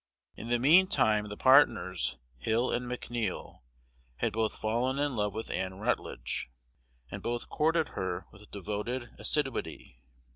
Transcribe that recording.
In the mean time the partners, Hill and McNeil, had both fallen in love with Ann Rutledge, and both courted her with devoted assiduity.